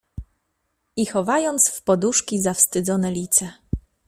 I chowając w poduszki, zawstydzone lice